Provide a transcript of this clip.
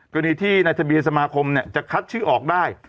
กรณีที่ในทะเบียนสมาคมจะคัดชื่อออกได้